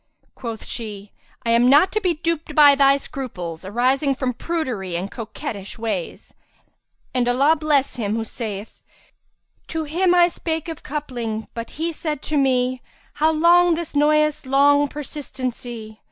Quoth she, "I am not to be duped by thy scruples, arising from prudery and coquettish ways; and Allah bless him who saith, 'To him I spake of coupling, but he said to me, * How long this noyous long persistency?'